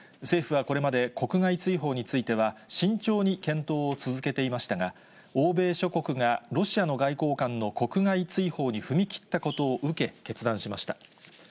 政府はこれまで、国外追放については、慎重に検討を続けていましたが、欧米諸国がロシアの外交官の国外追放に踏み切ったことを受け、決断しました。